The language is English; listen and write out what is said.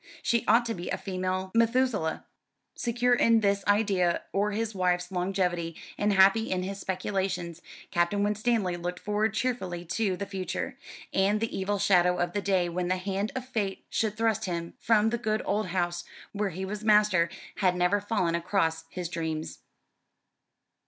She ought to be a female Methuselah." Secure in this idea of his wife's longevity, and happy in his speculations, Captain Winstanley looked forward cheerfully to the future: and the evil shadow of the day when the hand of fate should thrust him from the good old house where he was master had never fallen across his dreams.